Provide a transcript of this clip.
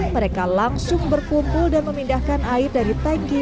mereka langsung berkumpul dan memindahkan air dari tanki